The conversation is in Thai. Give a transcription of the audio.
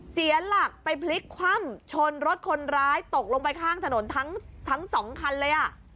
เสียหลักไปพลิกคว่ำชนรถคนร้ายตกลงไปข้างถนนทั้งสองคันเลยอ่ะ